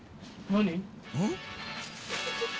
何？